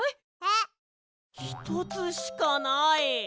ひとつしかない！